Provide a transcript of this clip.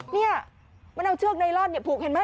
นี่มันเอาเชือกไนลอนผูกเห็นไหม